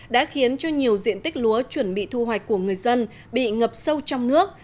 đã khiến cho nhiều diện tích lúa chuẩn bị thu hoạch của người dân bị ngập sâu trong nước